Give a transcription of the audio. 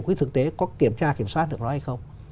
cái thực tế có kiểm tra kiểm soát được nó hay không